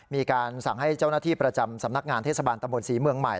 มีการสั่งให้เจ้าหน้าที่ประจำสำนักงานเทศบาลตะบนศรีเมืองใหม่